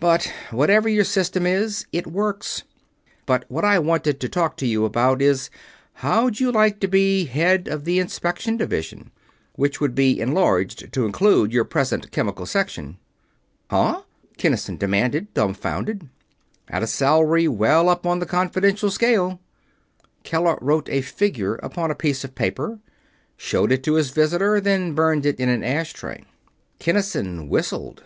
But whatever your system is, it works. But what I wanted to talk to you about is, how'd you like to be Head of the Inspection Division, which would be enlarged to include your present Chemical Section?" "Huh?" Kinnison demanded, dumbfounded. "At a salary well up on the confidential scale." Keller wrote a figure upon a piece of paper, showed it to his visitor, then burned it in an ash tray. Kinnison whistled.